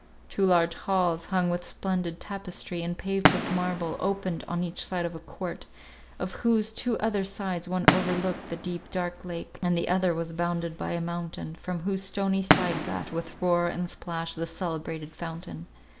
Two large halls, hung with splendid tapestry, and paved with marble, opened on each side of a court, of whose two other sides one overlooked the deep dark lake, and the other was bounded by a mountain, from whose stony side gushed, with roar and splash, the celebrated fountain.